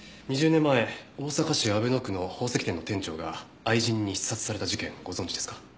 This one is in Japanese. ２０年前大阪市阿倍野区の宝石店の店長が愛人に刺殺された事件ご存じですか？